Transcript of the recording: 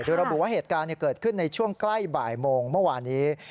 โดยระบุว่าเหตุการณ์เกิดขึ้นในช่วงใกล้บ่ายโมงเมื่อวานนี้